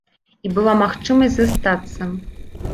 І была магчымасць застацца.